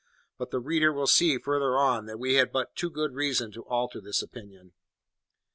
But the reader will see, further on, that we had but too good reason to alter this opinion.